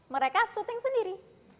mereka syuting sendiri